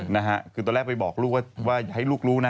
นะฮะคือตอนแรกไปบอกลูกว่าอย่าให้ลูกรู้นะ